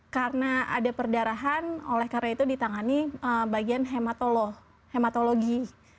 karena ada perdarahan oleh karena itu ditangani bagian hematologi